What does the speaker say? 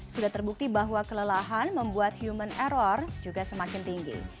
sudah terbukti bahwa kelelahan membuat human error juga semakin tinggi